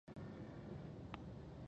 غاښونه او اورۍ مې خرابې دي